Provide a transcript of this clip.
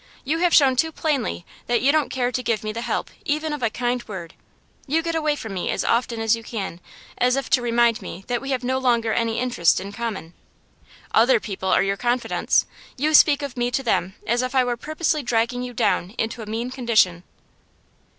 You have shown too plainly that you don't care to give me the help even of a kind word. You get away from me as often as you can, as if to remind me that we have no longer any interests in common. Other people are your confidants; you speak of me to them as if I were purposely dragging you down into a mean condition.